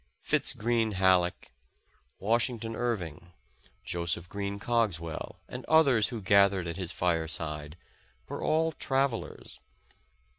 Fitz Greene Halleck, Washington Irving, Joseph Green Cogswell, and others who gathered at his fire side, were all travelers.